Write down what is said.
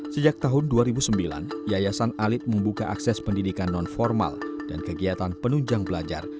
sejak tahun dua ribu sembilan yayasan alit membuka akses pendidikan non formal dan kegiatan penunjang belajar